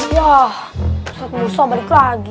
ya ustadz mursa balik lagi